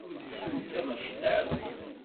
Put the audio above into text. Netta mačči d aɛeggun.